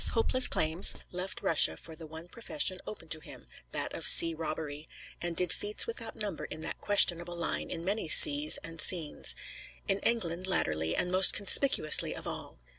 hopeless claims, left Russia for the one profession open to him, that of sea robbery; and did feats without number in that questionable line in many seas and scenes, in England latterly, and most conspicuously of all.